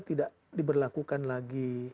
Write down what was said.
tidak diberlakukan lagi